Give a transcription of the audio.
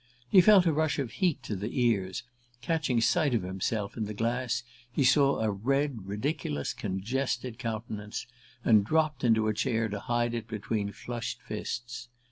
He felt a rush of heat to the ears; catching sight of himself in the glass, he saw a red ridiculous congested countenance, and dropped into a chair to hide it between flushed fists.